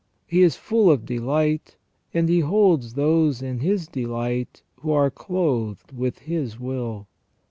He is full of delight, and He holds those in His delight who are clothed with His will.